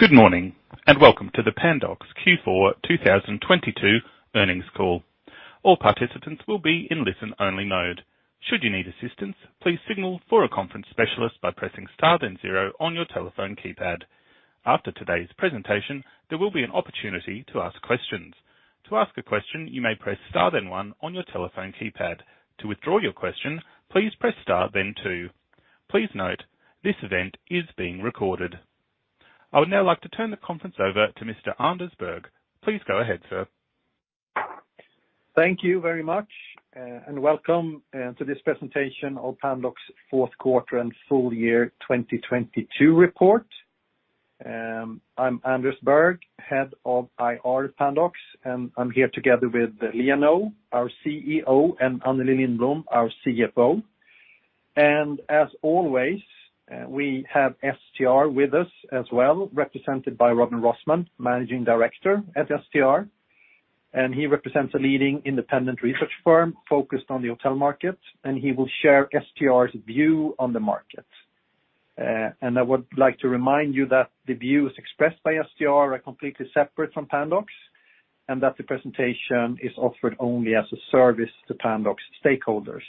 Good morning. Welcome to the Pandox Q4 2022 earnings call. All participants will be in listen-only mode. Should you need assistance, please signal for a conference specialist by pressing star then zero on your telephone keypad. After today's presentation, there will be an opportunity to ask questions. To ask a question, you may press star then one on your telephone keypad. To withdraw your question, please press star then two. Please note, this event is being recorded. I would now like to turn the conference over to Mr. Anders Berg. Please go ahead, sir. Thank you very much, welcome to this presentation of Pandox fourth quarter and full year 2022 report. I'm Anders Berg, Head of IR Pandox, and I'm here together with Liia Nõu, our CEO, and Anneli Lindblom, our CFO. As always, we have STR with us as well, represented by Robin Rossmann, Managing Director at STR. He represents a leading independent research firm focused on the hotel market, and he will share STR's view on the market. I would like to remind you that the views expressed by STR are completely separate from Pandox, and that the presentation is offered only as a service to Pandox stakeholders.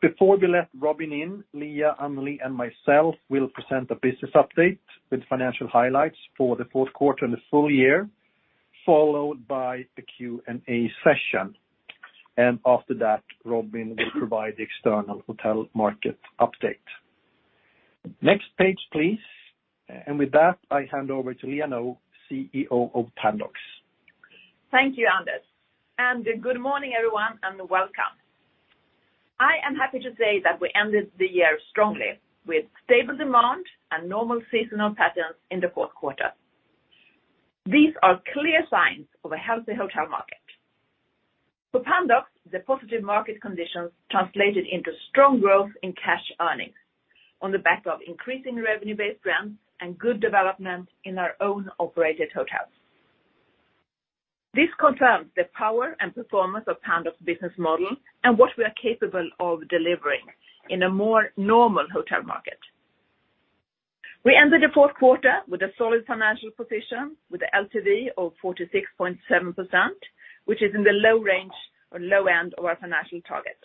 Before we let Robin in, Liia, Anneli, and myself will present a business update with financial highlights for the fourth quarter and the full year, followed by the Q&A session. After that, Robin will provide the external hotel market update. Next page, please. With that, I hand over to Liia Nõu, CEO of Pandox. Thank you, Anders. Good morning, everyone, and welcome. I am happy to say that we ended the year strongly with stable demand and normal seasonal patterns in the fourth quarter. These are clear signs of a healthy hotel market. For Pandox, the positive market conditions translated into strong growth in cash earnings on the back of increasing revenue-based rents and good development in our own operated hotels. This confirms the power and performance of Pandox business model and what we are capable of delivering in a more normal hotel market. We ended the fourth quarter with a solid financial position with the LTV of 46.7%, which is in the low range or low end of our financial target.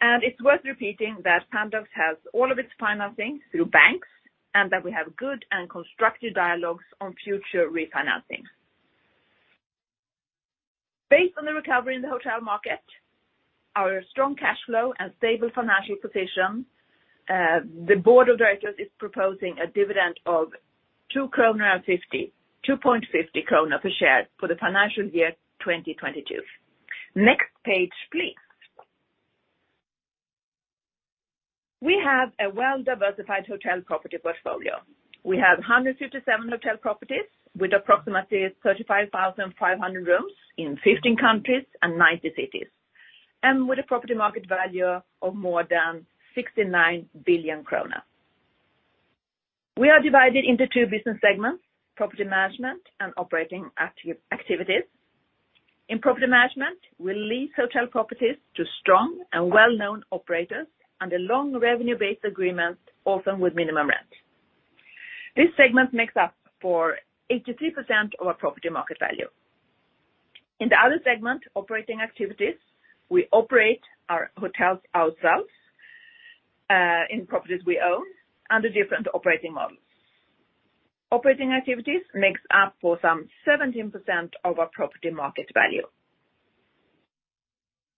It's worth repeating that Pandox has all of its financing through banks, and that we have good and constructive dialogues on future refinancing. Based on the recovery in the hotel market, our strong cash flow and stable financial position, the board of directors is proposing a dividend of 2.50 kronor per share for the financial year 2022. Next page, please. We have a well-diversified hotel property portfolio. We have 157 hotel properties with approximately 35,500 rooms in 15 countries and 90 cities, and with a property market value of more than 69 billion krona. We are divided into two business segments, property management and operating activities. In property management, we lease hotel properties to strong and well-known operators under long revenue-based agreement, often with minimum rent. This segment makes up for 83% of our property market value. In the other segment, operating activities, we operate our hotels ourselves in properties we own under different operating models. Operating activities makes up for some 17% of our property market value.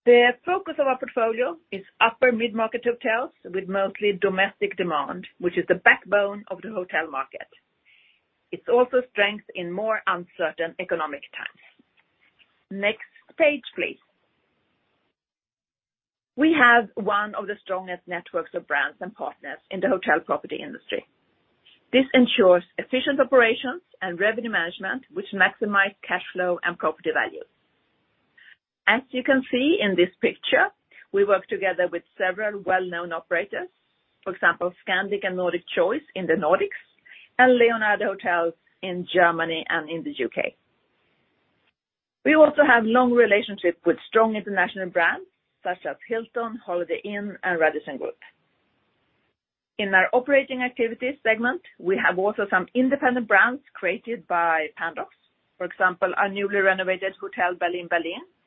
The focus of our portfolio is upper mid-market hotels with mostly domestic demand, which is the backbone of the hotel market. It's also strength in more uncertain economic times. Next page, please. We have one of the strongest networks of brands and partners in the hotel property industry. This ensures efficient operations and revenue management, which maximize cash flow and property value. As you can see in this picture, we work together with several well-known operators, for example, Scandic and Nordic Choice in the Nordics and Leonardo Hotels in Germany and in the U.K. We also have long relationship with strong international brands such as Hilton, Holiday Inn, and Radisson Group. In our operating activities segment, we have also some independent brands created by Pandox. For example, our newly renovated Hotel Berlin,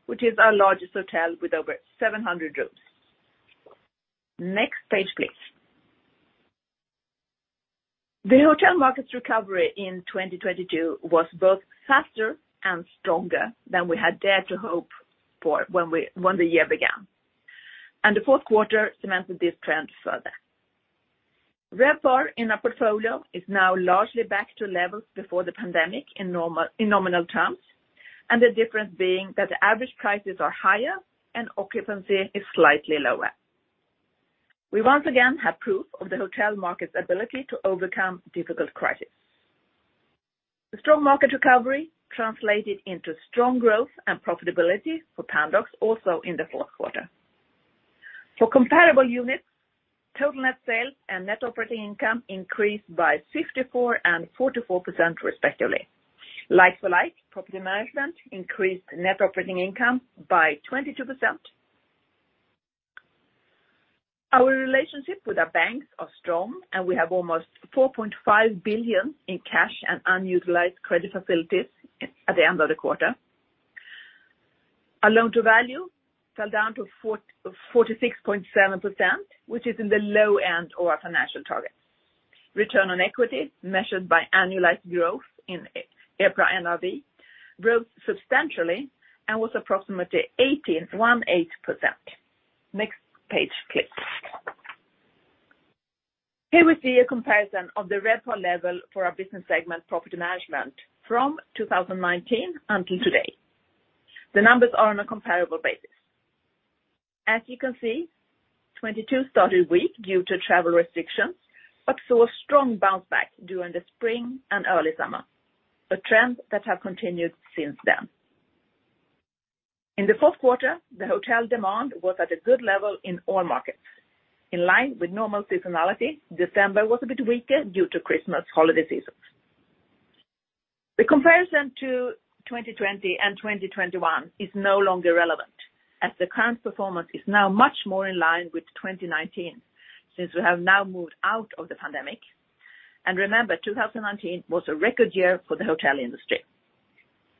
which is our largest hotel with over 700 rooms. Next page, please. The hotel market's recovery in 2022 was both faster and stronger than we had dared to hope for when the year began. The fourth quarter cemented this trend further. RevPAR in our portfolio is now largely back to levels before the pandemic in nominal terms, and the difference being that the average prices are higher and occupancy is slightly lower. We once again have proof of the hotel market's ability to overcome difficult crisis. The strong market recovery translated into strong growth and profitability for Pandox also in the fourth quarter. For comparable units, total net sales and net operating income increased by 54% and 44%, respectively. Like-for-like, property management increased net operating income by 22%. Our relationship with our banks are strong. We have almost 4.5 billion in cash and unutilized credit facilities at the end of the quarter. Our loan to value fell down to 46.7%, which is in the low end of our financial target. Return on equity measured by annualized growth in EPRA NRV grew substantially and was approximately 18%. Next page, please. Here we see a comparison of the RevPAR level for our business segment Property Management from 2019 until today. The numbers are on a comparable basis. You can see, 2022 started weak due to travel restrictions, but saw a strong bounce back during the spring and early summer, a trend that has continued since then. In the fourth quarter, the hotel demand was at a good level in all markets. In line with normal seasonality, December was a bit weaker due to Christmas holiday seasons. The comparison to 2020 and 2021 is no longer relevant, as the current performance is now much more in line with 2019, since we have now moved out of the pandemic. Remember, 2019 was a record year for the hotel industry.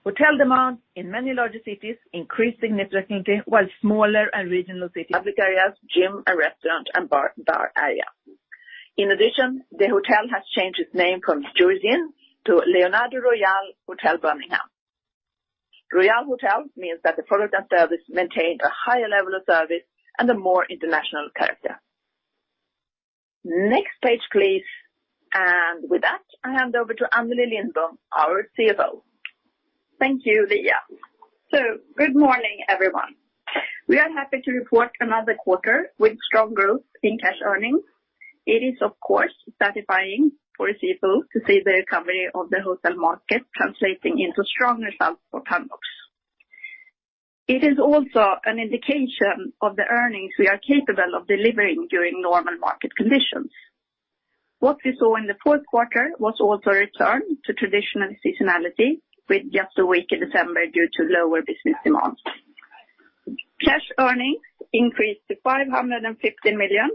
Hotel demand in many larger cities increased significantly, while smaller and regional cities. Public areas, gym and restaurant and bar area. In addition, the hotel has changed its name from Staybridge Suites to Leonardo Royal Hotel Birmingham. Royal Hotel means that the product and service maintains a higher level of service and a more international character. Next page, please. With that, I hand over to Anneli Lindblom, our CFO. Thank you, Liia. Good morning, everyone. We are happy to report another quarter with strong growth in cash earnings. It is, of course, satisfying for a CFO to see the recovery of the hotel market translating into strong results for Pandox. It is also an indication of the earnings we are capable of delivering during normal market conditions. What we saw in the fourth quarter was also a return to traditional seasonality with just a week in December due to lower business demands. Cash earnings increased to 550 million,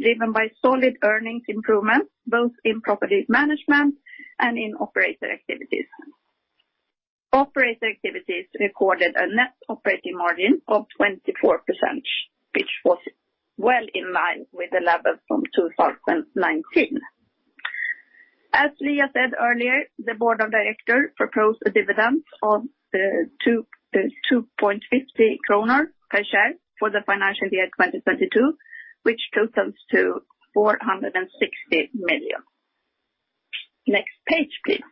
driven by solid earnings improvements, both in property management and in operator activities. Operator activities recorded a net operating margin of 24%, which was well in line with the level from 2019. As Liia said earlier, the board of directors proposed a dividend of 2.50 kronor per share for the financial year 2022, which totals to 460 million. Next page, please.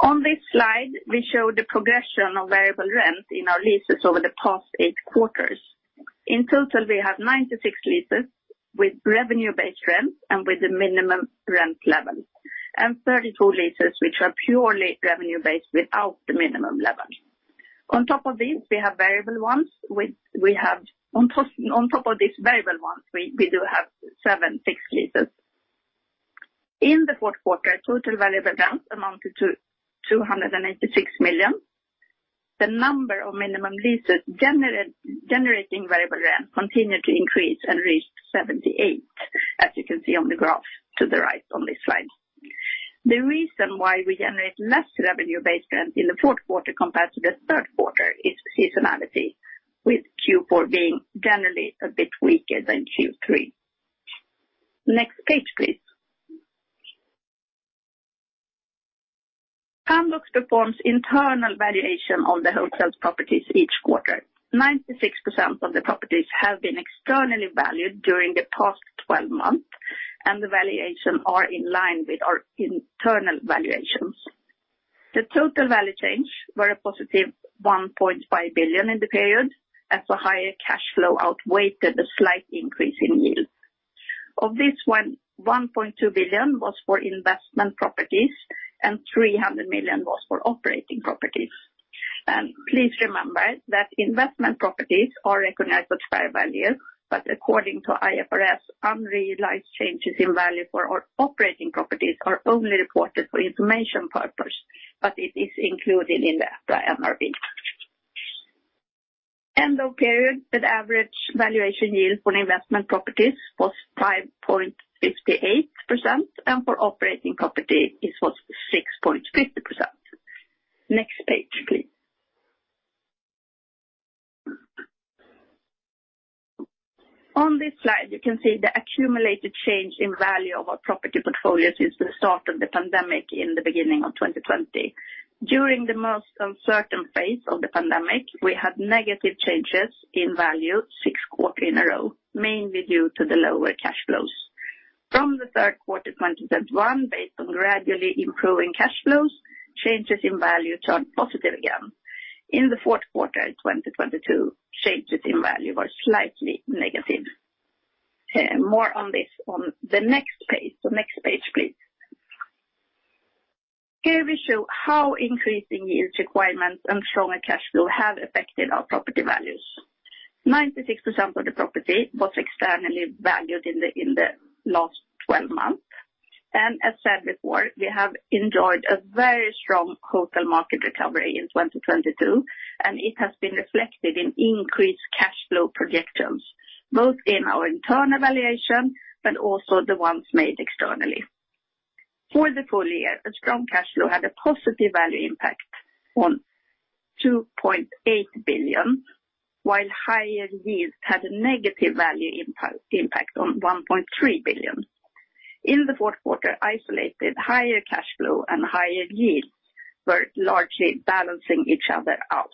On this slide, we show the progression of variable rent in our leases over the past eight quarters. In total, we have 96 leases with revenue-based rent and with the minimum rent level, and 32 leases which are purely revenue-based without the minimum level. On top of this, we have variable ones. On top of these variable ones, we do have seven fixed leases. In the fourth quarter, total variable rents amounted to 286 million. The number of minimum leases generating variable rent continued to increase and reached 78, as you can see on the graph to the right on this slide. The reason why we generate less revenue-based rent in the fourth quarter compared to the third quarter is seasonality, with Q4 being generally a bit weaker than Q3. Next page, please. Pandox performs internal valuation on the hotel's properties each quarter. 96% of the properties have been externally valued during the past 12 months, and the valuation are in line with our internal valuations. The total value change were a positive 1.5 billion in the period, as a higher cash flow outweighed the slight increase in yield. Of this one, 1.2 billion was for investment properties, and 300 million was for operating properties. Please remember that investment properties are recognized with fair value, but according to IFRS, unrealized changes in value for our operating properties are only reported for information purpose, but it is included in the EPRA NRV. End of period, the average valuation yield for investment properties was 5.58%, and for operating property, it was 6.50%. Next page, please. On this slide, you can see the accumulated change in value of our property portfolio since the start of the pandemic in the beginning of 2020. During the most uncertain phase of the pandemic, we had negative changes in value 6 quarters in a row, mainly due to the lower cash flows. From the third quarter 2021, based on gradually improving cash flows, changes in value turned positive again. In the fourth quarter 2022, changes in value were slightly negative. More on this on the next page. Next page, please. Here we show how increasing yield requirements and stronger cash flow have affected our property values. 96% of the property was externally valued in the last 12 months. As said before, we have enjoyed a very strong hotel market recovery in 2022, and it has been reflected in increased cash flow projections, both in our internal valuation, but also the ones made externally. For the full year, a strong cash flow had a positive value impact on 2.8 billion, while higher yields had a negative value impact on 1.3 billion. In the fourth quarter, isolated higher cash flow and higher yields were largely balancing each other out.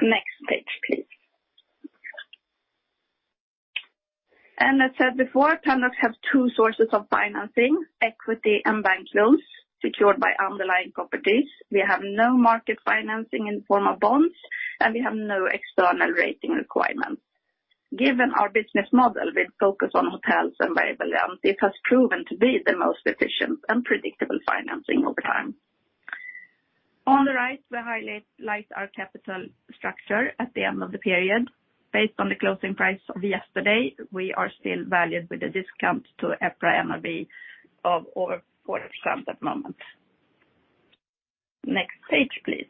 Next page, please. As said before, Pandox have two sources of financing, equity and bank loans secured by underlying properties. We have no market financing in form of bonds. We have no external rating requirements. Given our business model, we focus on hotels and variable loans. It has proven to be the most efficient and predictable financing over time. On the right, we highlight our capital structure at the end of the period. Based on the closing price of yesterday, we are still valued with a discount to EPRA NAV of over 40% at the moment. Next page, please.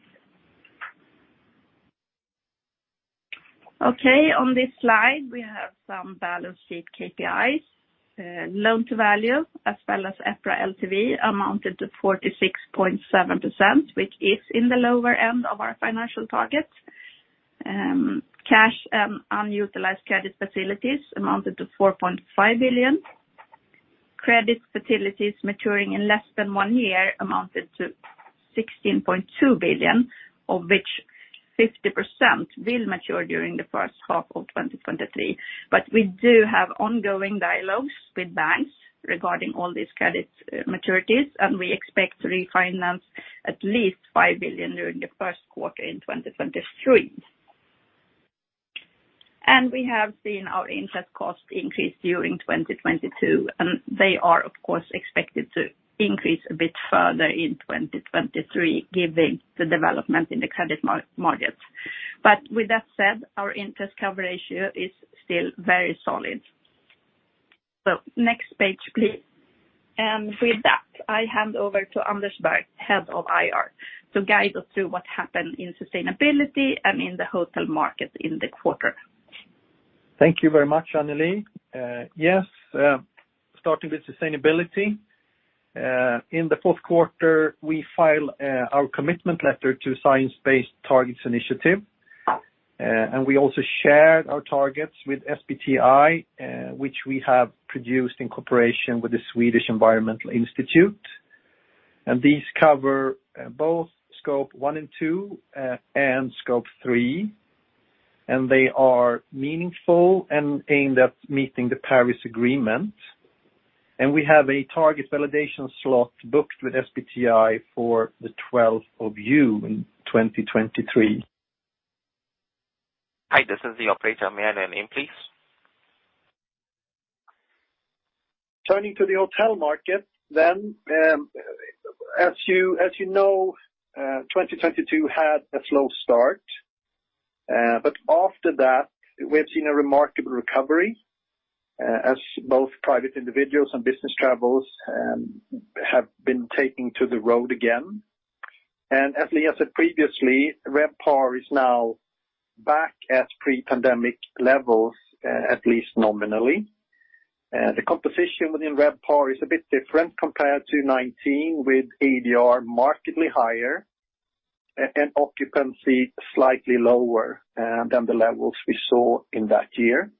On this slide, we have some balance sheet KPIs, loan to value, as well as EPRA LTV amounted to 46.7%, which is in the lower end of our financial targets. Cash and unutilized credit facilities amounted to 4.5 billion. Credit facilities maturing in less than one year amounted to 16.2 billion, of which 50% will mature during the first half of 2023. We do have ongoing dialogues with banks regarding all these credit maturities, and we expect to refinance at least 5 billion during the first quarter in 2023. We have seen our interest cost increase during 2022, and they are, of course, expected to increase a bit further in 2023 given the development in the credit markets. With that said, our interest cover ratio is still very solid. Next page, please. With that, I hand over to Anders Berg, Head of IR, to guide us through what happened in sustainability and in the hotel market in the quarter. Thank you very much, Anneli. Yes, starting with sustainability. In the fourth quarter, we file our commitment letter to Science Based Targets initiative. We also shared our targets with SBTi, which we have produced in cooperation with the Swedish Environmental Institute. These cover both Scope 1 and 2 and Scope 3, and they are meaningful and aimed at meeting the Paris Agreement. We have a target validation slot booked with SBTi for the 12th of June in 2023. Hi, this is the operator. May I have a name, please? Turning to the hotel market, as you know, 2022 had a slow start. After that, we have seen a remarkable recovery, as both private individuals and business travels have been taking to the road again. As Anneli said previously, RevPAR is now back at pre-pandemic levels, at least nominally. The composition within RevPAR is a bit different compared to 2019, with ADR markedly higher and occupancy slightly lower, than the levels we saw in that year.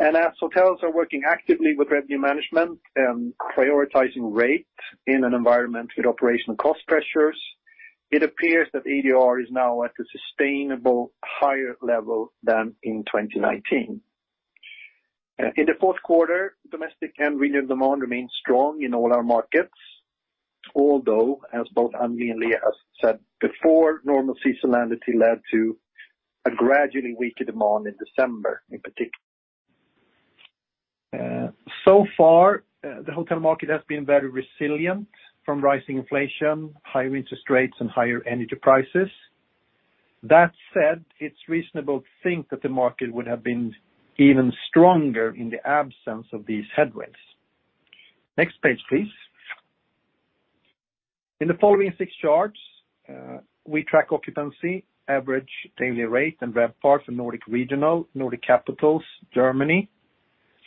As hotels are working actively with revenue management and prioritizing rate in an environment with operational cost pressures, it appears that ADR is now at a sustainable higher level than in 2019. In the fourth quarter, domestic and regional demand remained strong in all our markets, although as both Anneli and Liia has said before, normal seasonality led to a gradually weaker demand in December in particular. So far, the hotel market has been very resilient from rising inflation, higher interest rates and higher energy prices. That said, it's reasonable to think that the market would have been even stronger in the absence of these headwinds. Next page, please. In the following six charts, we track occupancy, average daily rate, and RevPAR for Nordic regional, Nordic capitals, Germany,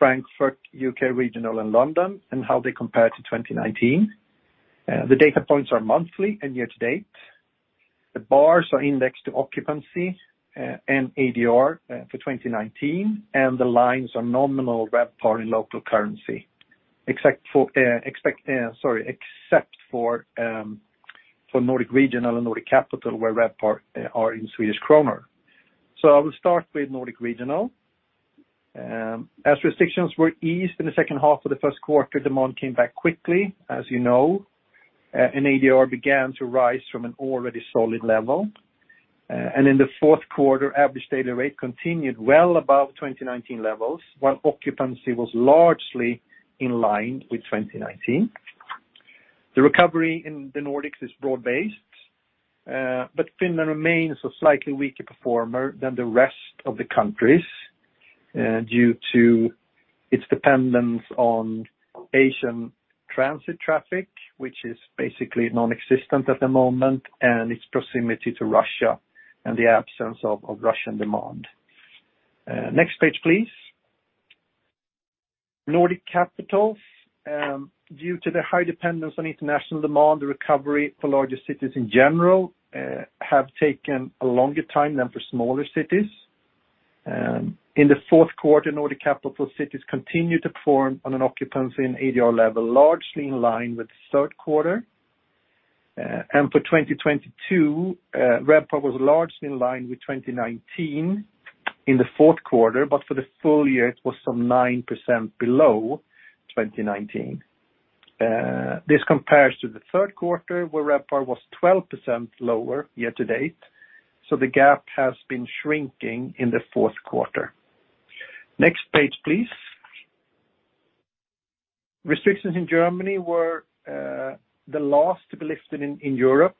Frankfurt, UK regional, and London, and how they compare to 2019. The data points are monthly and year-to-date. The bars are indexed to occupancy, and ADR, for 2019, and the lines are nominal RevPAR in local currency. Except for Nordic regional and Nordic capital, where RevPAR are in Swedish krona. I will start with Nordic regional. As restrictions were eased in the second half of the first quarter, demand came back quickly, as you know. ADR began to rise from an already solid level. In the fourth quarter, average daily rate continued well above 2019 levels, while occupancy was largely in line with 2019. The recovery in the Nordics is broad-based, but Finland remains a slightly weaker performer than the rest of the countries, due to its dependence on Asian transit traffic, which is basically non-existent at the moment, and its proximity to Russia and the absence of Russian demand. Next page, please. Nordic capitals. Due to the high dependence on international demand, the recovery for larger cities in general, have taken a longer time than for smaller cities. In the fourth quarter, Nordic capital cities continued to form on an occupancy and ADR level, largely in line with the third quarter. For 2022, RevPAR was largely in line with 2019 in the fourth quarter, but for the full year it was some 9% below 2019. This compares to the third quarter, where RevPAR was 12% lower year-to-date, so the gap has been shrinking in the fourth quarter. Next page, please. Restrictions in Germany were the last to be lifted in Europe.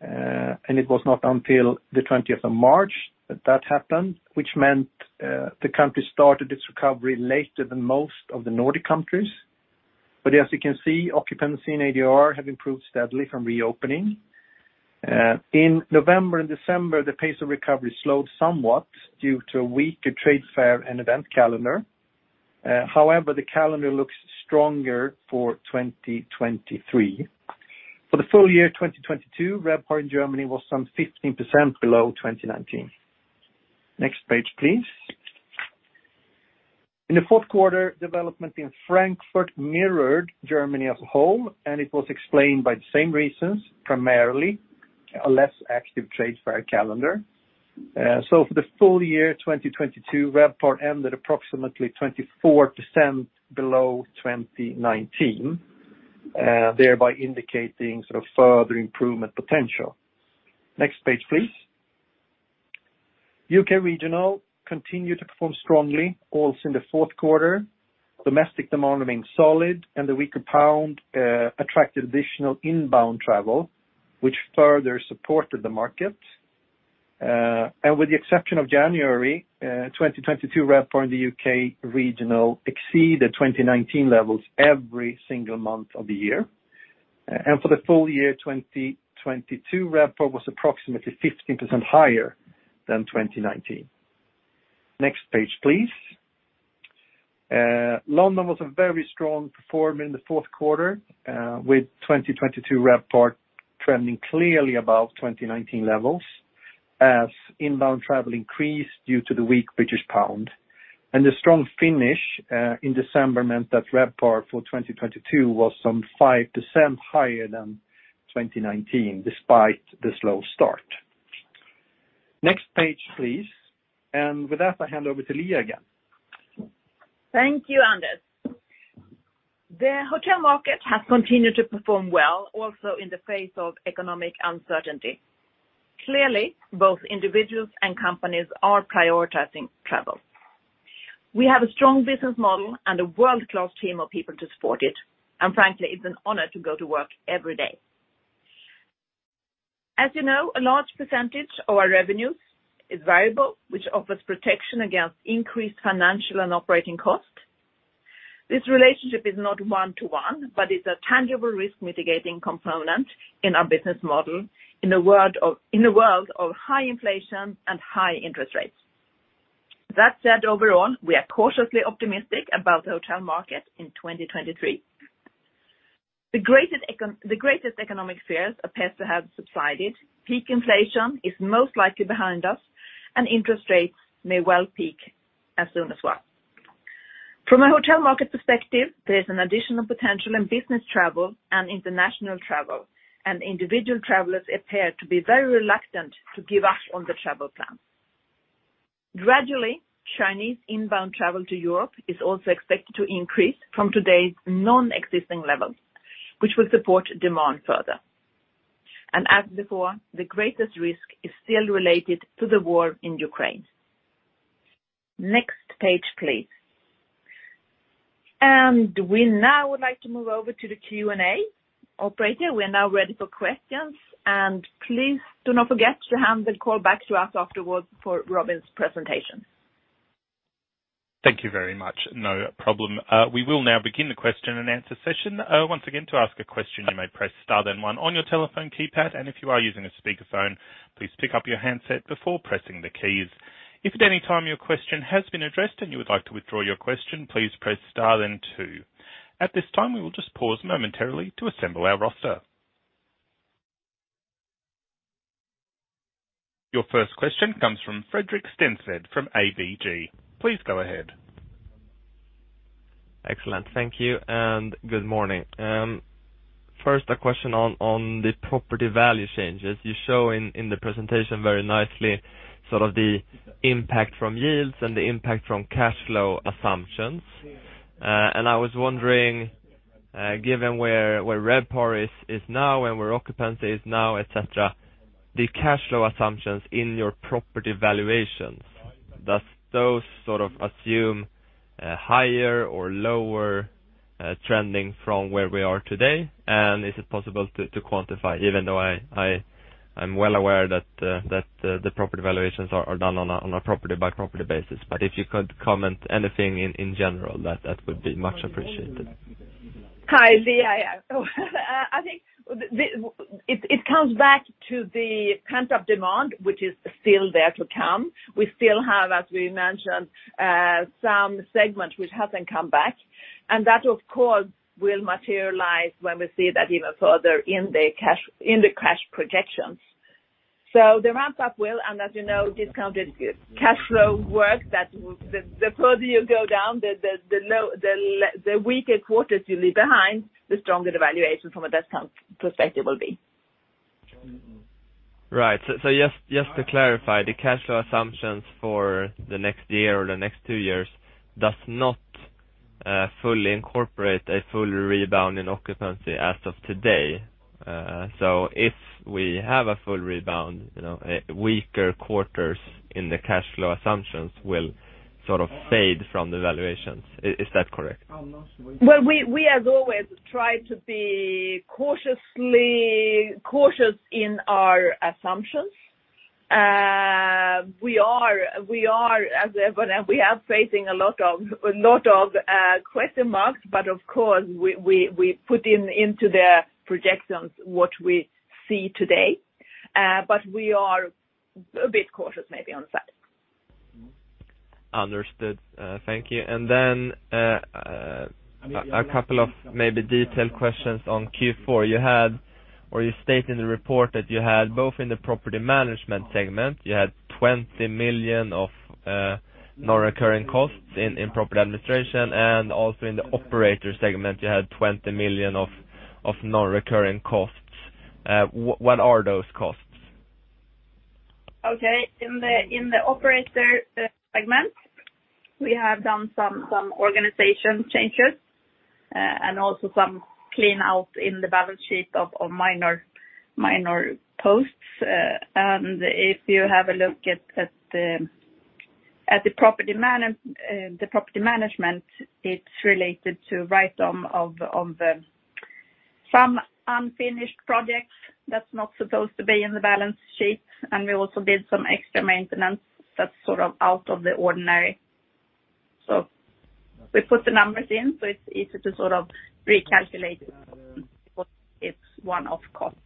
And it was not until the 20th of March that that happened, which meant the country started its recovery later than most of the Nordic countries. As you can see, occupancy and ADR have improved steadily from reopening. In November and December, the pace of recovery slowed somewhat due to a weaker trades fair and event calendar. However, the calendar looks stronger for 2023. For the full year 2022, RevPAR in Germany was some 15% below 2019. Next page, please. In the fourth quarter, development in Frankfurt mirrored Germany as a whole, and it was explained by the same reasons, primarily a less active trades fair calendar. For the full year 2022, RevPAR ended approximately 24% below 2019, thereby indicating sort of further improvement potential. Next page, please. U.K. regional continued to perform strongly, also in the fourth quarter. Domestic demand remaining solid, the weaker pound attracted additional inbound travel, which further supported the market. With the exception of January 2022, RevPAR in the U.K. regional exceeded 2019 levels every single month of the year. For the full year 2022, RevPAR was approximately 15% higher than 2019. Next page, please. London was a very strong performer in the fourth quarter, with 2022 RevPAR trending clearly above 2019 levels as inbound travel increased due to the weak British pound. The strong finish in December meant that RevPAR for 2022 was some 5% higher than 2019, despite the slow start. Next page, please. With that, I'll hand over to Liia again. Thank you, Anders. The hotel market has continued to perform well, also in the face of economic uncertainty. Clearly, both individuals and companies are prioritizing travel. We have a strong business model and a world-class team of people to support it, and frankly, it's an honor to go to work every day. As you know, a large percentage of our revenues is variable, which offers protection against increased financial and operating costs. This relationship is not one-to-one, but it's a tangible risk mitigating component in our business model In a world of high inflation and high interest rates. That said, overall, we are cautiously optimistic about the hotel market in 2023. The greatest economic fears appear to have subsided. Peak inflation is most likely behind us, and interest rates may well peak as soon as well. From a hotel market perspective, there is an additional potential in business travel and international travel. Individual travelers appear to be very reluctant to give up on their travel plans. Gradually, Chinese inbound travel to Europe is also expected to increase from today's non-existing levels, which will support demand further. As before, the greatest risk is still related to the war in Ukraine. Next page, please. We now would like to move over to the Q&A. Operator, we are now ready for questions. Please do not forget to hand the call back to us afterwards for Robin's presentation. Thank you very much. No problem. We will now begin the question and answer session. Once again, to ask a question, you may press star then one on your telephone keypad. If you are using a speaker phone, please pick up your handset before pressing the keys. If at any time your question has been addressed and you would like to withdraw your question, please press star then two. At this time, we will just pause momentarily to assemble our roster. Your first question comes from Fredrik Stensved from ABG. Please go ahead. Excellent. Thank you and good morning. First, a question on the property value changes. You show in the presentation very nicely, sort of the impact from yields and the impact from cash flow assumptions. I was wondering, given where RevPAR is now and where occupancy is now, et cetera, the cash flow assumptions in your property valuationsDoes those sort of assume higher or lower trending from where we are today? Is it possible to quantify? Even though I'm well aware that the property valuations are done on a property by property basis. If you could comment anything in general, that would be much appreciated. Hi, yeah. Oh. I think it comes back to the pent-up demand, which is still there to come. We still have, as we mentioned, some segments which hasn't come back. That, of course, will materialize when we see that even further in the cash projections. The ramp up will, and as you know, discounted cash flow work, that the further you go down the weaker quarters you leave behind, the stronger the valuation from a discount perspective will be. Right. Just to clarify, the cash flow assumptions for the next year or the next two years does not fully incorporate a full rebound in occupancy as of today. So if we have a full rebound, you know, weaker quarters in the cash flow assumptions will sort of fade from the valuations. Is that correct? Well, we have always tried to be cautiously cautious in our assumptions. We are as everyone, we are facing a lot of question marks. Of course we put in into the projections what we see today. We are a bit cautious maybe on the side. Understood. Thank you. Then, a couple of maybe detailed questions on Q4. You had, or you state in the report that you had, both in the property management segment, you had 20 million of non-recurring costs in property administration, and also in the operator segment, you had 20 million of non-recurring costs. What are those costs? Okay. In the operator segment, we have done some organization changes, and also some clean out in the balance sheet of minor posts. If you have a look at the property management, it's related to write-down of some unfinished projects that's not supposed to be in the balance sheet. We also did some extra maintenance that's sort of out of the ordinary. We put the numbers in, so it's easy to sort of recalculate. It's one-off costs.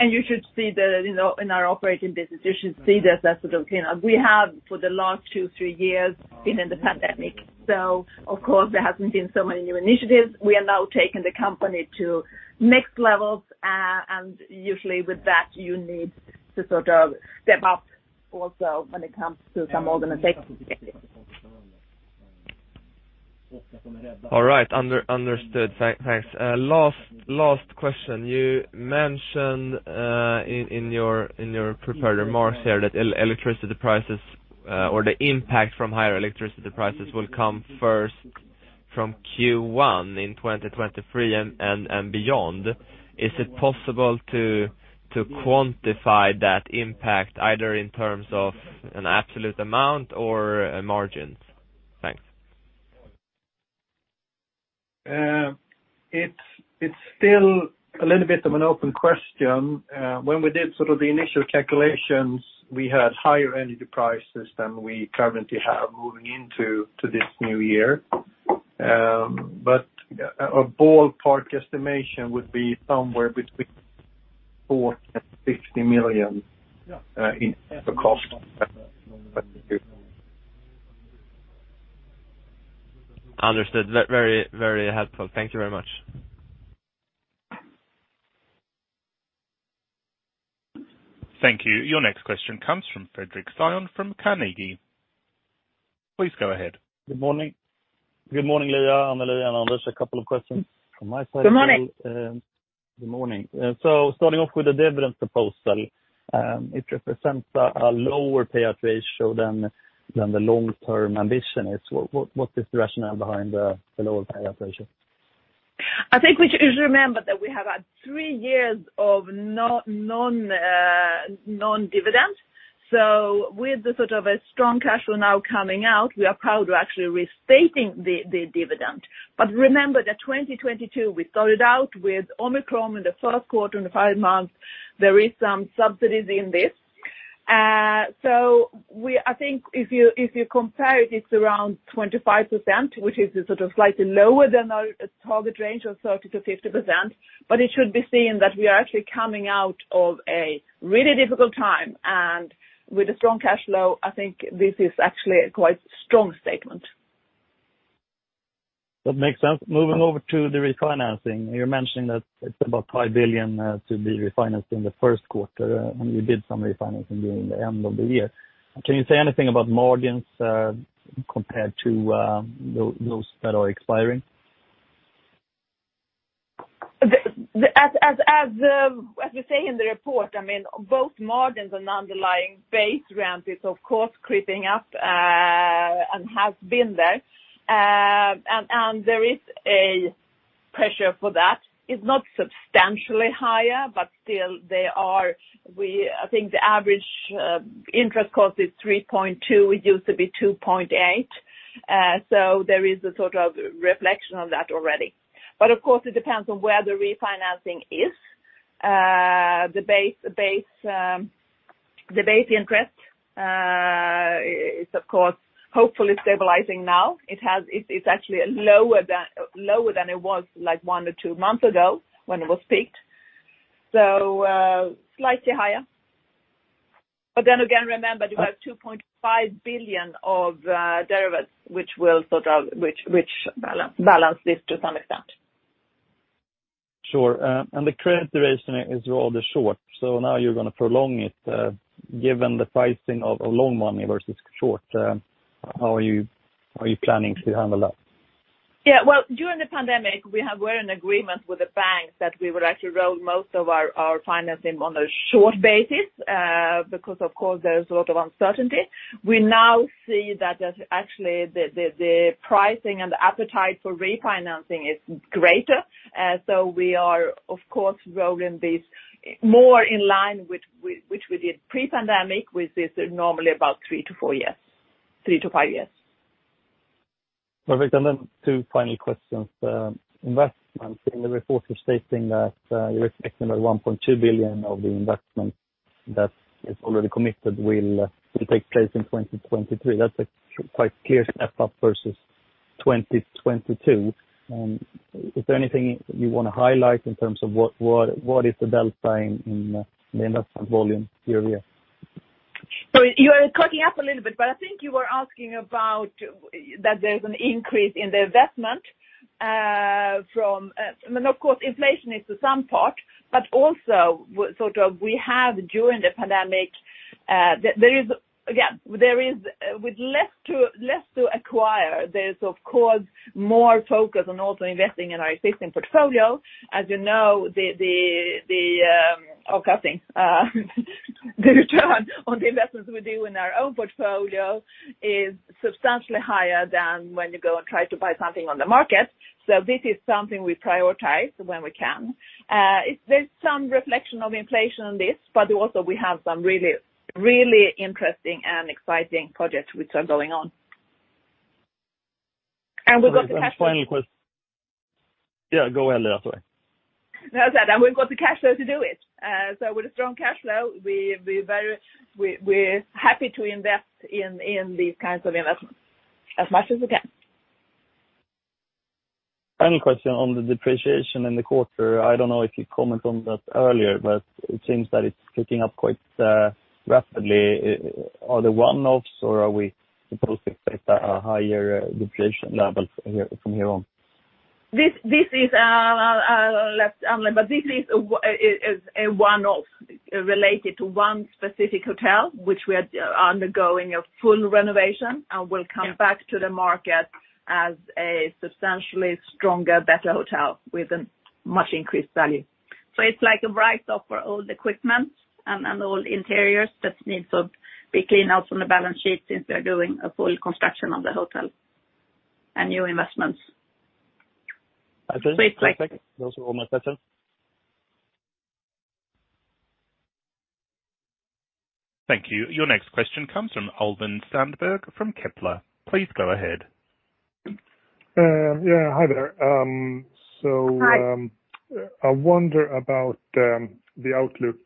You should see the, you know, in our operating business, you should see this as a sort of cleanup. We have, for the last two, three years, been in the pandemic. Of course, there hasn't been so many new initiatives. We are now taking the company to next levels. Usually with that, you need to sort of step up also when it comes to some organizational changes. All right. Understood. Thanks. Last question. You mentioned in your prepared remarks here that electricity prices or the impact from higher electricity prices will come first from Q1 in 2023 and beyond. Is it possible to quantify that impact either in terms of an absolute amount or margins? Thanks. It's still a little bit of an open question. When we did sort of the initial calculations, we had higher energy prices than we currently have moving into this new year. Ballpark estimation would be somewhere between 4 million and 60 million in cost. Understood. Very helpful. Thank you very much. Thank you. Your next question comes from Fredric Cyon from Carnegie. Please go ahead. Good morning. Good morning, Liia, Anneli, and Anders. A couple of questions from my side. Good morning. Good morning. Starting off with the dividend proposal, it represents a lower payout ratio than the long-term ambition is. What is the rationale behind the lower payout ratio? I think we should remember that we have had three years of non-dividend. With the sort of a strong cash flow now coming out, we are proud to actually restating the dividend. Remember that 2022, we started out with Omicron in the first quarter, in the five months. There is some subsidies in this. I think if you compare it's around 25%, which is sort of slightly lower than our target range of 30%-50%, it should be seen that we are actually coming out of a really difficult time. With a strong cash flow, I think this is actually a quite strong statement. That makes sense. Moving over to the refinancing, you're mentioning that it's about 5 billion to be refinanced in the first quarter, and you did some refinancing during the end of the year. Can you say anything about margins compared to those that are expiring? As we say in the report, I mean, both margins and underlying base rent is of course creeping up. Has been there. There is a pressure for that. It's not substantially higher, but still there are, I think the average interest cost is 3.2. It used to be 2.8. There is a sort of reflection on that already. Of course, it depends on where the refinancing is. The base interest is of course hopefully stabilizing now. It's actually lower than it was like one to two months ago when it was peaked. Slightly higher. Remember you have 2.5 billion of derivatives which will sort of, which balance this to some extent. Sure. The credit duration is rather short, now you're gonna prolong it. Given the pricing of loan money versus short, how are you planning to handle that? Well, during the pandemic we're in agreement with the banks that we would actually roll most of our financing on a short basis, because of course there's a lot of uncertainty. We now see that there's actually the pricing and the appetite for refinancing is greater. We are of course rolling this more in line with which we did pre-pandemic, which is normally about 3-4 years, 3-5 years. Perfect. Then two final questions. Investments in the report are stating that you're expecting about 1.2 billion of the investment that is already committed will take place in 2023. That's a quite clear step up versus 2022. Is there anything you wanna highlight in terms of what is the delta in the investment volume year-over-year? You are cutting up a little bit, but I think you were asking about that there's an increase in the investment from. I mean, of course inflation is to some part, but also we have during the pandemic, there is with less to acquire, there's of course more focus on also investing in our existing portfolio. As you know, the return on the investments we do in our own portfolio is substantially higher than when you go and try to buy something on the market. This is something we prioritize when we can. It's, there's some reflection of inflation on this, but also we have some really, really interesting and exciting projects which are going on. We've got the cash- Sorry, one final. Yeah, go ahead. Sorry. No, that's all right. We've got the cash flow to do it. With a strong cash flow we're very, we're happy to invest in these kinds of investments as much as we can. Final question on the depreciation in the quarter. I don't know if you commented on that earlier, but it seems that it's picking up quite rapidly. Are they one-offs or are we supposed to expect a higher depreciation level here, from here on? This is, let's unlock. This is a one-off related to one specific hotel which we are undergoing a full renovation and will come back to the market as a substantially stronger, better hotel with a much increased value. It's like a write-off for old equipment and old interiors that needs to be cleaned out from the balance sheet since we are doing a full construction of the hotel and new investments. That's it. That's it. Those are all my questions. Thank you. Your next question comes from Albin Sandberg from Kepler. Please go ahead. Yeah, hi there. Hi. I wonder about the outlook,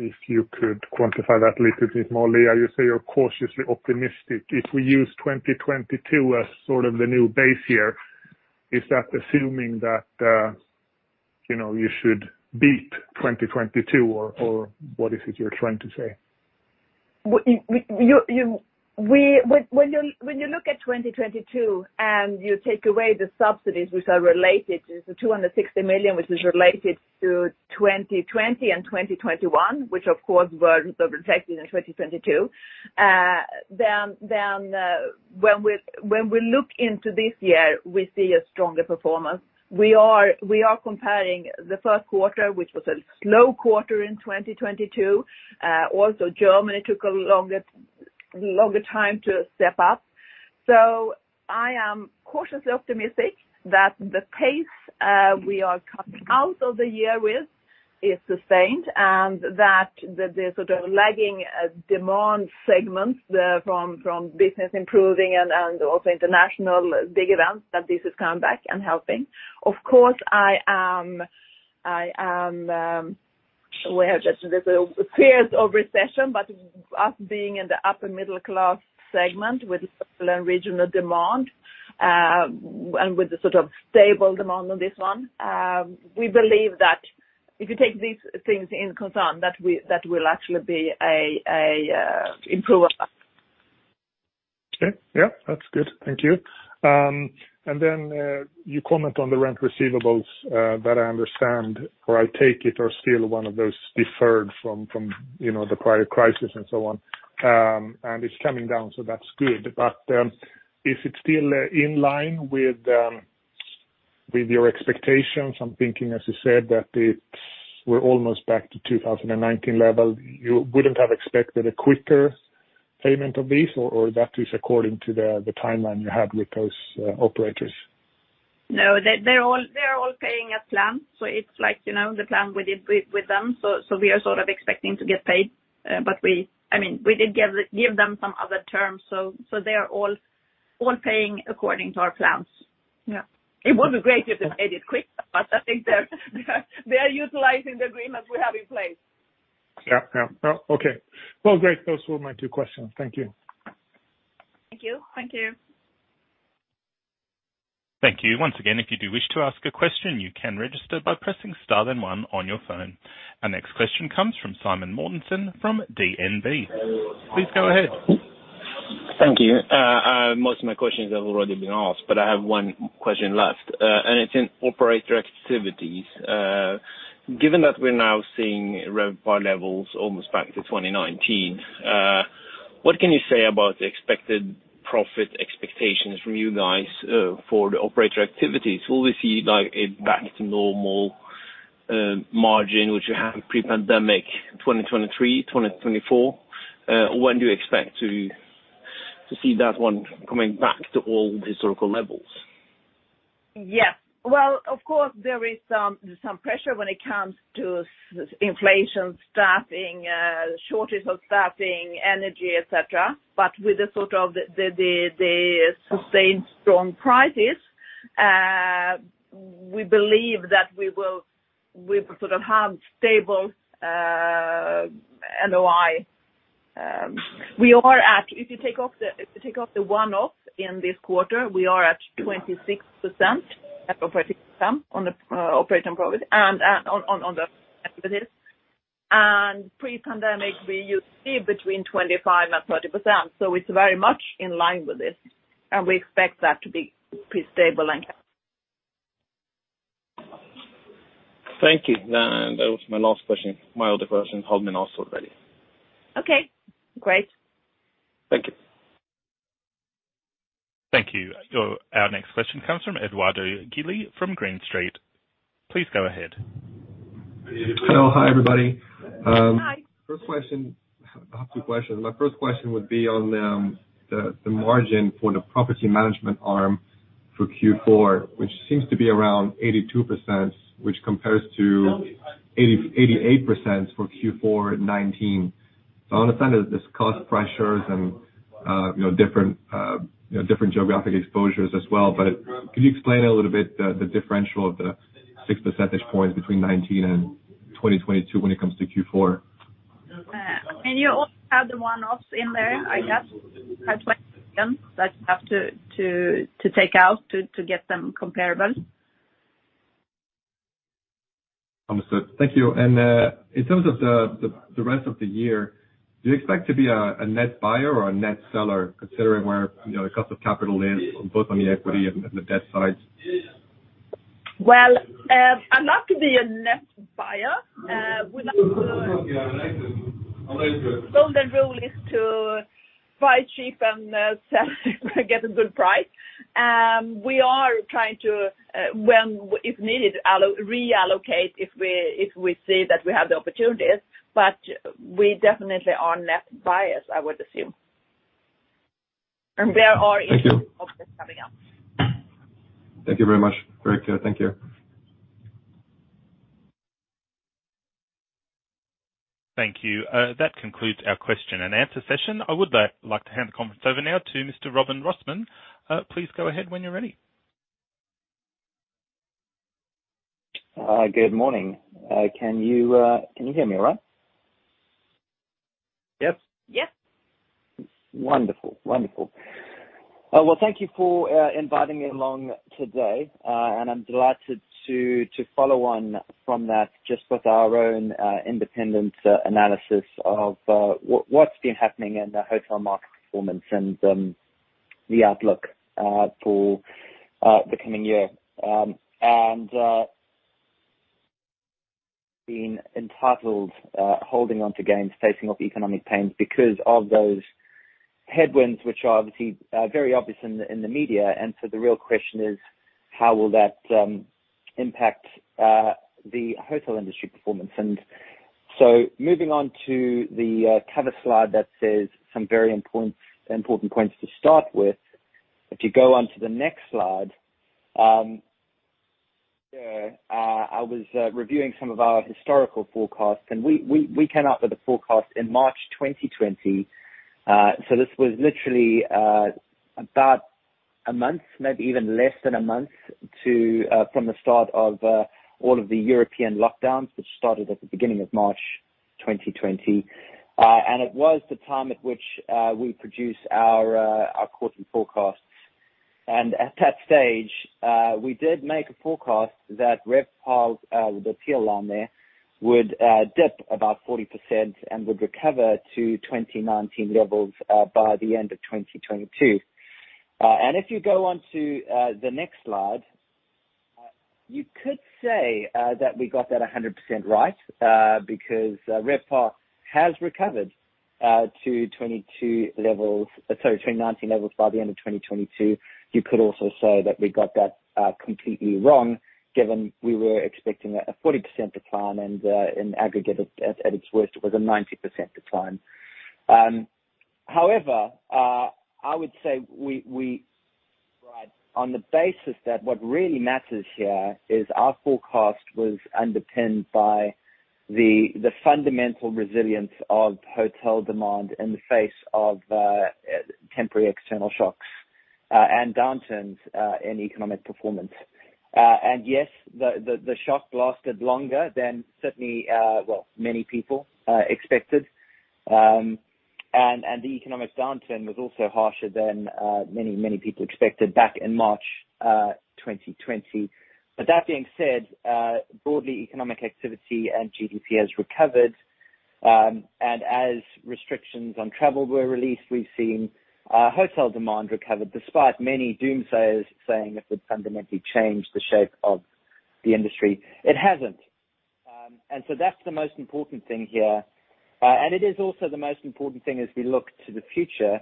if you could quantify that a little bit more, Leah. You say you're cautiously optimistic. If we use 2022 as sort of the new base here, is that assuming that, you know, you should beat 2022 or what is it you're trying to say? You, when you look at 2022 and you take away the subsidies which are related to the 260 million which is related to 2020 and 2021, which of course were protected in 2022, then when we look into this year, we see a stronger performance. We are comparing the first quarter, which was a slow quarter in 2022. Also Germany took a longer time to step up. I am cautiously optimistic that the pace we are coming out of the year with is sustained and that the sort of lagging demand segments, from business improving and also international dig around that this has come back and helping. Of course I am, we have just this period of recession. Us being in the upper middle class segment with local and regional demand, and with the sort of stable demand on this one, we believe that if you take these things in concern that will actually be a improvement. Okay. Yeah, that's good. Thank you. You comment on the rent receivables that I understand or I take it are still one of those deferred from, you know, the prior crisis and so on. It's coming down, so that's good. Is it still in line with? With your expectations, I'm thinking, as you said, that it's... We're almost back to 2019 level. You wouldn't have expected a quicker payment of these or that is according to the timeline you had with those operators? No, they're all paying as planned. It's like, you know, the plan we did with them. We are sort of expecting to get paid. But I mean, we did give them some other terms. They are all paying according to our plans. It would be great if they paid it quick, but I think they are utilizing the agreements we have in place. Yeah. Yeah. Yeah. Okay. Well, great. Those were my two questions. Thank you. Thank you. Thank you. Once again, if you do wish to ask a question, you can register by pressing star then one on your phone. Our next question comes from Simen Mortensen from DNB. Please go ahead. Thank you. Most of my questions have already been asked, I have one question left, and it's in operator activities. Given that we're now seeing RevPAR levels almost back to 2019, what can you say about the expected profit expectations from you guys for the operator activities? Will we see, like, a back to normal margin which you have pre-pandemic 2023, 2024? When do you expect to see that one coming back to all historical levels? Well, of course there is some pressure when it comes to inflation, staffing, shortage of staffing, energy, et cetera, but with the sort of the sustained strong prices, we believe that we will, we sort of have stable NOI. If you take off the one-off in this quarter, we are at 26% operating income on the operating profit and on the activities. Pre-pandemic we used to be between 25% and 30%, so it's very much in line with this and we expect that to be pretty stable like that. Thank you. That was my last question. My other question had been asked already. Okay, great. Thank you. Thank you. Our next question comes from Edoardo Gili from Green Street. Please go ahead. Hello. Hi, everybody. Hi. First question. I have two questions. My first question would be on, the margin for the property management arm for Q4, which seems to be around 82%, which compares to 88% for Q4 2019. I understand that there's cost pressures and, you know, different, you know, different geographic exposures as well, but can you explain a little bit the differential of the 6 percentage points between 2019 and 2022 when it comes to Q4? You also have the one-offs in there, I guess. You have to, like, have to take out to get them comparable. Understood. Thank you. In terms of the rest of the year, do you expect to be a net buyer or a net seller, considering where, you know, the cost of capital is both on the equity and the debt side? Well, I'd love to be a net buyer. The golden rule is to buy cheap and sell at a good price. We are trying to, when if needed, reallocate if we see that we have the opportunities, but we definitely are net buyers, I would assume. There are issues obviously coming up. Thank you very much. Very clear. Thank you. Thank you. That concludes our question and answer session. I would like to hand the conference over now to Mr. Robin Rossmann. Please go ahead when you're ready. Good morning. Can you, can you hear me all right? Yes. Yes. Wonderful. Wonderful. Well, thank you for inviting me along today. I'm delighted to follow on from that just with our own independent analysis of what's been happening in the hotel market performance and the outlook for the coming year. Being entitled holding onto gains, facing off economic pains because of those headwinds, which are obviously very obvious in the media. The real question is how will that impact the hotel industry performance? Moving on to the cover slide that says some very important points to start with. If you go onto the next slide, I was reviewing some of our historical forecasts and we came up with a forecast in March 2020. This was literally about a month, maybe even less than a month to, from the start of, all of the European lockdowns, which started at the beginning of March 2020. It was the time at which we produced our quarterly forecasts. At that stage, we did make a forecast that RevPAR, the teal line there, would dip about 40% and would recover to 2019 levels, by the end of 2022. If you go onto the next slide, you could say that we got that 100% right, because RevPAR has recovered to 2019 levels by the end of 2022. You could also say that we got that completely wrong given we were expecting a 40% decline and in aggregate at its worst, it was a 90% decline. However, I would say we were right on the basis that what really matters here is our forecast was underpinned by the fundamental resilience of hotel demand in the face of temporary external shocks and downturns in economic performance. Yes, the shock lasted longer than certainly well, many people expected. The economic downturn was also harsher than many people expected back in March 2020. That being said, broadly, economic activity and GDP has recovered. As restrictions on travel were released, we've seen hotel demand recover despite many doomsayers saying it would fundamentally change the shape of the industry. It hasn't. That's the most important thing here. It is also the most important thing as we look to the future,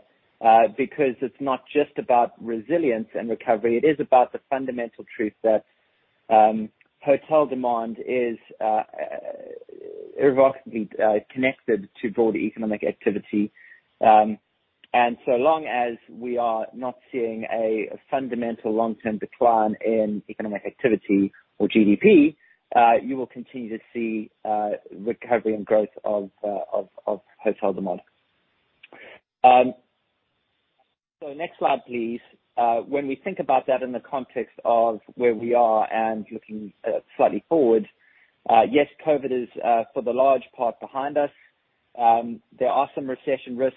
because it's not just about resilience and recovery, it is about the fundamental truth that hotel demand is irrevocably connected to broader economic activity. Long as we are not seeing a fundamental long-term decline in economic activity or GDP, you will continue to see recovery and growth of hotel demand. Next slide, please. We think about that in the context of where we are and looking slightly forward, yes, COVID is for the large part behind us. There are some recession risks.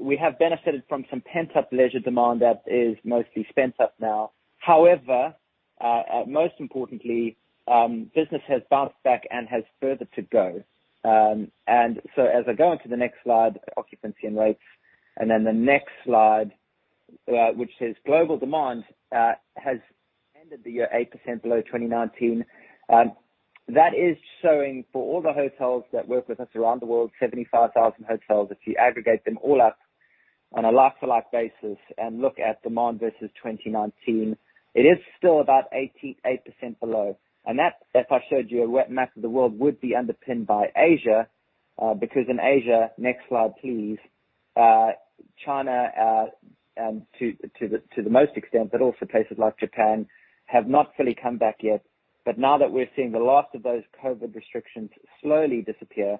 We have benefited from some pent-up leisure demand that is mostly spent up now. However, most importantly, business has bounced back and has further to go. As I go on to the next slide, occupancy and rates, and then the next slide, which says, "Global demand has ended the year 8% below 2019." That is showing for all the hotels that work with us around the world, 75,000 hotels. If you aggregate them all up on a like-to-like basis and look at demand versus 2019, it is still about 88% below. That, if I showed you a wet map of the world, would be underpinned by Asia, because in Asia. Next slide, please. China, to the most extent, but also places like Japan, have not fully come back yet. Now that we're seeing the last of those COVID restrictions slowly disappear,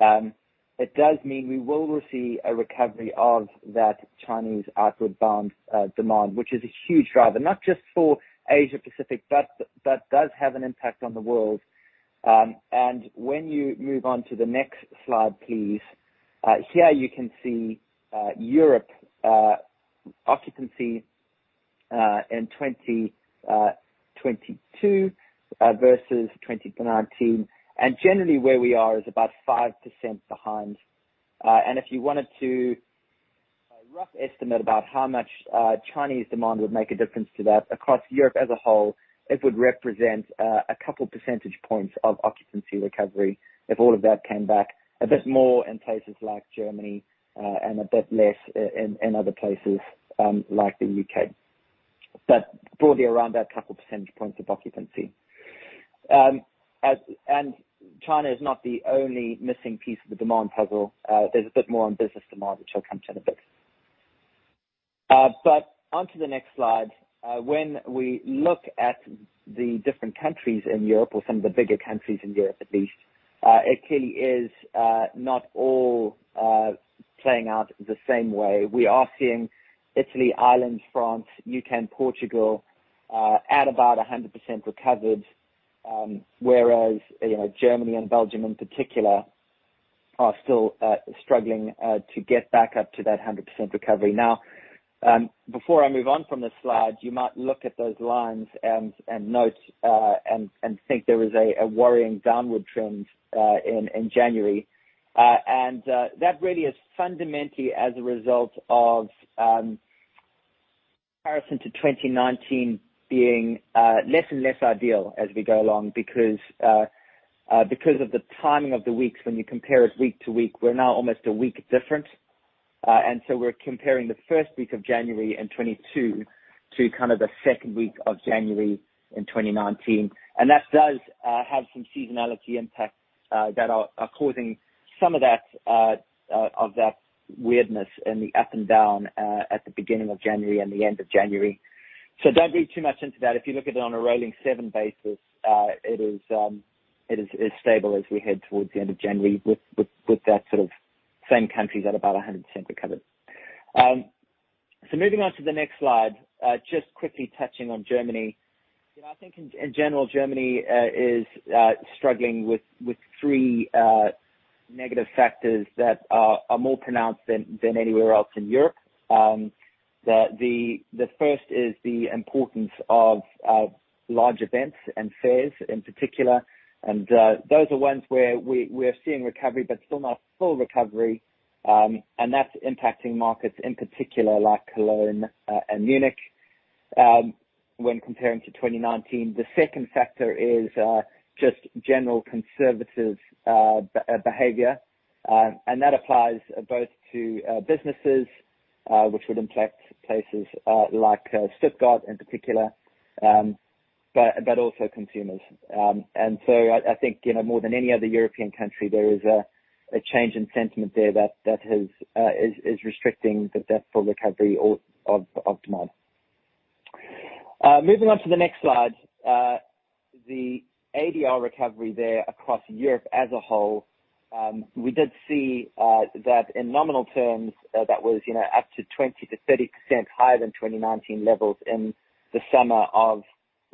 it does mean we will receive a recovery of that Chinese outward bound demand, which is a huge driver, not just for Asia-Pacific, but that does have an impact on the world. When you move on to the next slide, please. Here you can see Europe occupancy in 2022 versus 2019. Generally, where we are is about 5% behind. If you wanted to... A rough estimate about how much Chinese demand would make a difference to that across Europe as a whole, it would represent a couple percentage points of occupancy recovery if all of that came back. A bit more in places like Germany, and a bit less in other places, like the UK. Broadly around that couple percentage points of occupancy. China is not the only missing piece of the demand puzzle. There's a bit more on business demand, which I'll come to in a bit. onto the next slide. When we look at the different countries in Europe or some of the bigger countries in Europe at least, it clearly is not all playing out the same way. We are seeing Italy, Ireland, France, U.K., and Portugal, at about 100% recovered, whereas, you know, Germany and Belgium in particular are still struggling to get back up to that 100% recovery. Now, before I move on from this slide, you might look at those lines and note, and think there is a worrying downward trend in January. That really is fundamentally as a result of comparison to 2019 being less and less ideal as we go along because of the timing of the weeks when you compare it week to week, we're now almost a week different. We're comparing the first week of January in 2022 to kind of the second week of January in 2019. That does have some seasonality impacts that are causing some of that of that weirdness in the up and down at the beginning of January and the end of January. Don't read too much into that. If you look at it on a rolling seven basis, it is as stable as we head towards the end of January with that sort of same countries at about 100% recovered. Moving on to the next slide. Just quickly touching on Germany. You know, I think in general, Germany is struggling with three negative factors that are more pronounced than anywhere else in Europe. The first is the importance of large events and fairs in particular. Those are ones where we're seeing recovery, but still not full recovery. That's impacting markets in particular like Cologne and Munich. When comparing to 2019. The second factor is just general conservative behavior, and that applies both to businesses, which would impact places like Stuttgart in particular, but also consumers. So I think, you know, more than any other European country, there is a change in sentiment there that has is restricting the depth for recovery of demand. Moving on to the next slide. The ADR recovery there across Europe as a whole, we did see that in nominal terms, that was up to 20%-30% higher than 2019 levels in the summer of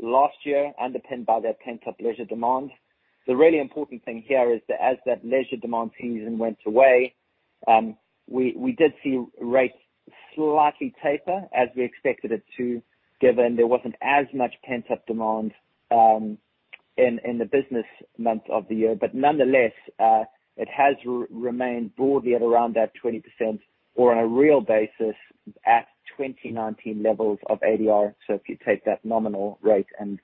last year, underpinned by that pent-up leisure demand. The really important thing here is that as that leisure demand season went away, we did see rates slightly taper as we expected it to, given there wasn't as much pent-up demand in the business month of the year. Nonetheless, it has remained broadly at around that 20% or on a real basis at 2019 levels of ADR. If you take that nominal rate and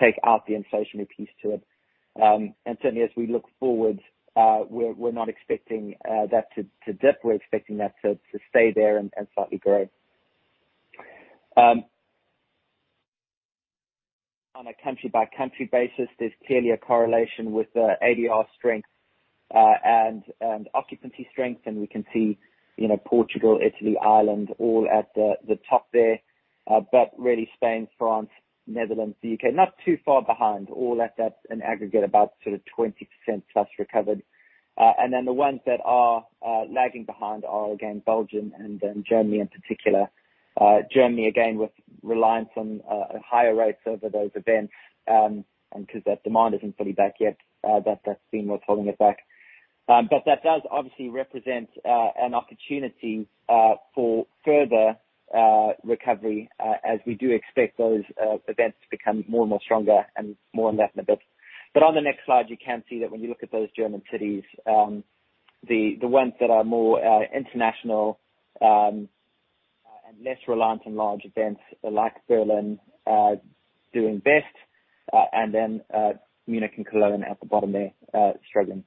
take out the inflationary piece to it. Certainly as we look forward, we're not expecting that to dip. We're expecting that to stay there and slightly grow. On a country-by-country basis, there's clearly a correlation with the ADR strength and occupancy strength. We can see, you know, Portugal, Italy, Ireland, all at the top there. Really Spain, France, Netherlands, the U.K., not too far behind, all at that, an aggregate about sort of 20% plus recovered. The ones that are lagging behind are again, Belgium and then Germany in particular. Germany again with reliance on higher rates over those events. Because that demand isn't fully back yet, that's been what's holding it back. That does obviously represent an opportunity for further recovery, as we do expect those events to become more and more stronger and more on that in a bit. On the next slide, you can see that when you look at those German cities, the ones that are more international and less reliant on large events like Berlin, doing best, and then Munich and Cologne at the bottom there, struggling.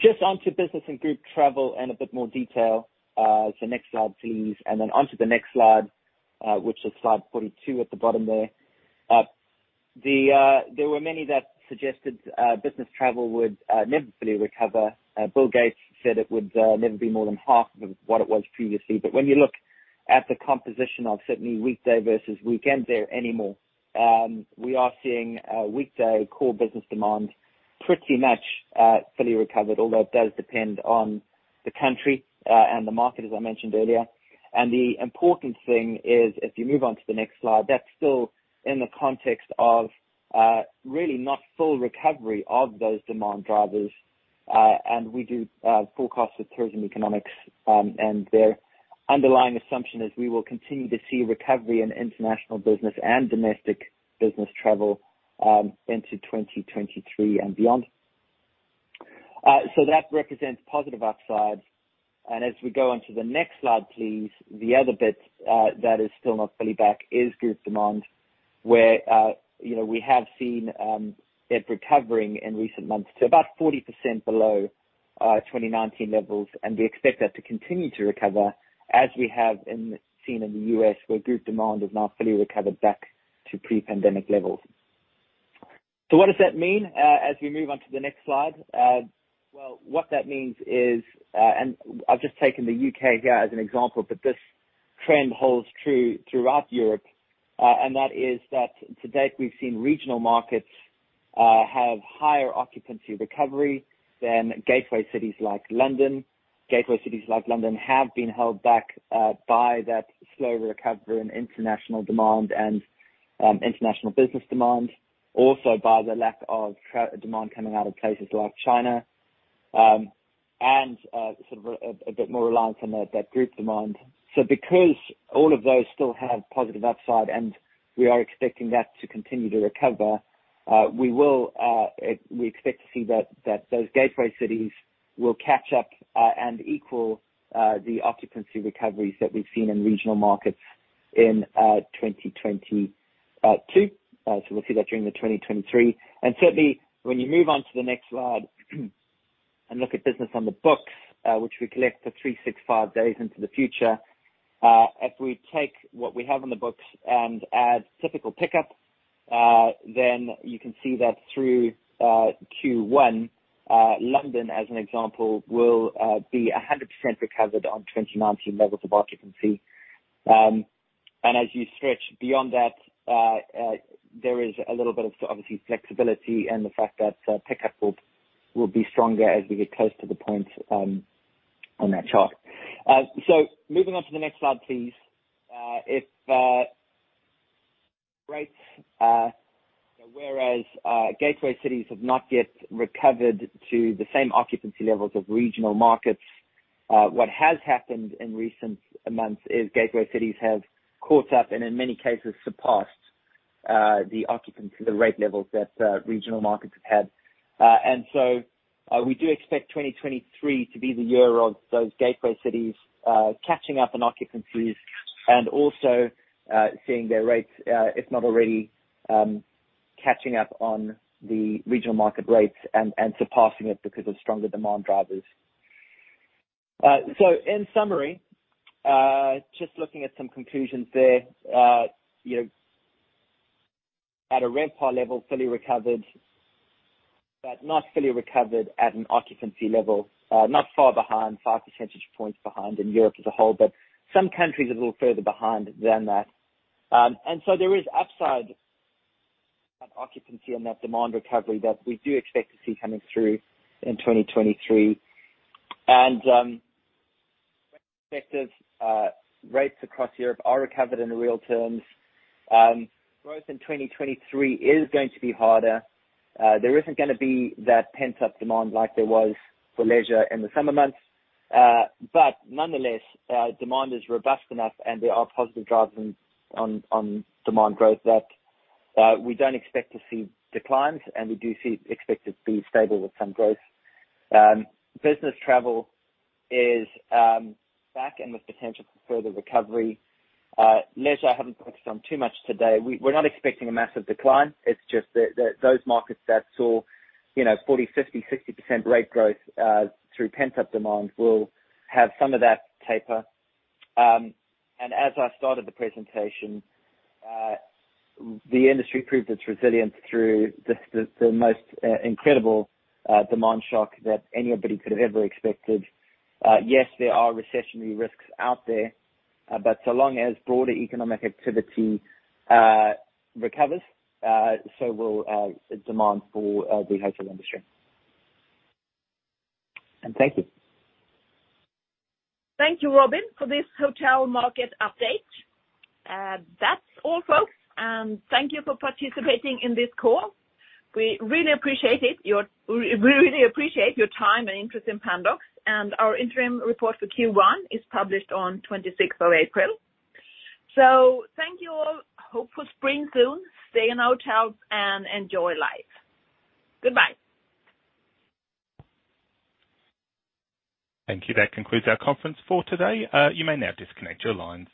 Just onto business and group travel in a bit more detail. Next slide, please. Then onto the next slide, which is slide 42 at the bottom there. There were many that suggested business travel would never fully recover. Bill Gates said it would never be more than half of what it was previously. When you look at the composition of certainly weekday versus weekend there anymore, we are seeing weekday core business demand pretty much fully recovered, although it does depend on the country and the market, as I mentioned earlier. The important thing is, if you move on to the next slide, that's still in the context of really not full recovery of those demand drivers. We do forecast with Tourism Economics, and their underlying assumption is we will continue to see recovery in international business and domestic business travel into 2023 and beyond. That represents positive upside. As we go on to the next slide, please. The other bit that is still not fully back is group demand, where, you know, we have seen it recovering in recent months to about 40% below 2019 levels. We expect that to continue to recover as we have seen in the U.S., where group demand is now fully recovered back to pre-pandemic levels. What does that mean as we move on to the next slide? Well, what that means is, I've just taken the U.K. here as an example, but this trend holds true throughout Europe, that is that to date we've seen regional markets have higher occupancy recovery than gateway cities like London. Gateway cities like London have been held back by that slow recovery in international demand and international business demand. Also by the lack of demand coming out of places like China, and sort of a bit more reliance on that group demand. Because all of those still have positive upside and we are expecting that to continue to recover, we expect to see that those gateway cities will catch up and equal the occupancy recoveries that we've seen in regional markets in 2022. We'll see that during the 2023. Certainly when you move on to the next slide, and look at business on the books, which we collect for 365 days into the future. If we take what we have on the books and add typical pickup, then you can see that through Q1, London as an example will be 100% recovered on 2019 levels of occupancy. As you stretch beyond that, there is a little bit of obviously flexibility and the fact that pickup will be stronger as we get close to the point on that chart. Moving on to the next slide, please. If rates, whereas gateway cities have not yet recovered to the same occupancy levels of regional markets, what has happened in recent months is gateway cities have caught up and in many cases surpassed, the occupancy, the rate levels that regional markets have had. We do expect 2023 to be the year of those gateway cities, catching up on occupancies and also, seeing their rates, if not already, catching up on the regional market rates and surpassing it because of stronger demand drivers. In summary, just looking at some conclusions there. You know, at a RevPAR level, fully recovered, but not fully recovered at an occupancy level. Not far behind, 5 percentage points behind in Europe as a whole, but some countries a little further behind than that. There is upside on occupancy and that demand recovery that we do expect to see coming through in 2023. Expected, rates across Europe are recovered in real terms. Growth in 2023 is going to be harder. There isn't gonna be that pent-up demand like there was for leisure in the summer months. Nonetheless, demand is robust enough, and there are positive drivers on demand growth that we don't expect to see declines, and we do expect it to be stable with some growth. Business travel is back and with potential for further recovery. Leisure, I haven't focused on too much today. We're not expecting a massive decline. It's just that those markets that saw, you know, 40%, 50%, 60% rate growth through pent-up demand will have some of that taper. As I started the presentation, the industry proved its resilience through this, the most incredible demand shock that anybody could have ever expected. Yes, there are recessionary risks out there, but so long as broader economic activity, recovers, so will, demand for, the hotel industry. Thank you. Thank you, Robin, for this hotel market update. That's all, folks. Thank you for participating in this call. We really appreciate your time and interest in Pandox and our interim report for Q1 is published on 26th of April. Thank you all. Hope for spring soon. Stay in our hotels and enjoy life. Goodbye. Thank you. That concludes our conference for today. You may now disconnect your lines.